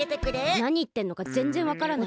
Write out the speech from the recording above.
なにいってんのかぜんぜんわからない。